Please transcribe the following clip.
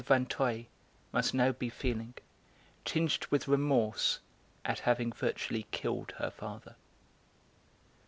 Vinteuil must now be feeling, tinged with remorse at having virtually killed her father.